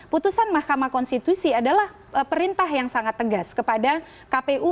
putusan mahkamah konstitusi adalah perintah yang sangat tegas kepada kpu